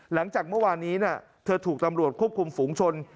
หลังจากเมื่อวานนี้เธอถูกตำรวจควบคุมฝูงชน